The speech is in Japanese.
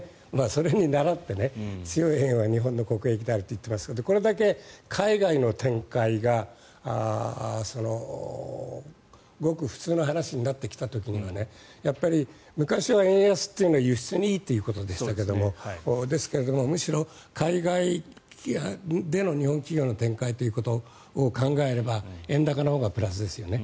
それに倣って強い円は日本の国益であると言っていますがこれだけ海外の展開がごく普通の話になってきた時にはやっぱり昔は円安というのは輸出にいいということでしたがむしろ海外での日本企業の展開ということを考えれば円高のほうがプラスですよね。